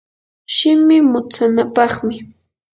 shimi mutsanapaqmi.